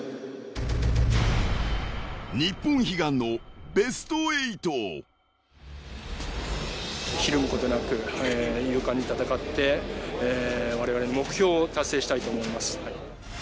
［日本悲願の］ひるむことなく勇敢に戦って目標を達成したいと思います。